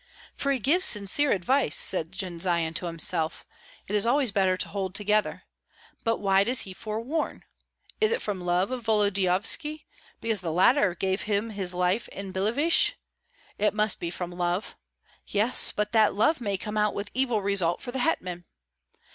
"For he gives sincere advice," said Jendzian to himself. "It is always better to hold together. But why does he forewarn? Is it from love of Volodyovski, because the latter gave him his life in Billeviche? It must be from love! Yes, but that love may come out with evil result for the hetman.